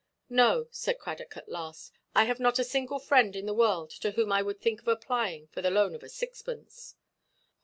"No," said Cradock, at last, "I have not a single friend in the world to whom I would think of applying for the loan of a sixpence."